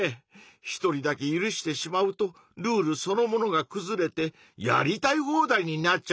一人だけ許してしまうとルールそのものがくずれてやりたい放題になっちゃいそうだよね。